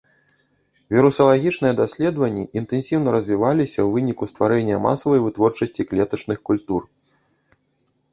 Вірусалагічныя даследаванні інтэнсіўна развіваліся ў выніку стварэння масавай вытворчасці клетачных культур.